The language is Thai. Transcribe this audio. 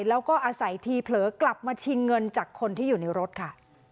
แล้วก็อาศัยทีเผลอกลับมาชิงเงินจากคนที่อยู่ในรถค่ะ